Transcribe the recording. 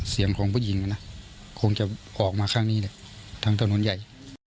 เสียงของผู้หญิงนะคงจะออกมาข้างนี้แหละทางถนนใหญ่